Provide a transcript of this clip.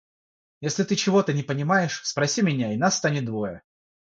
Если ты чего-то не понимаешь, спроси меня и нас станет двое.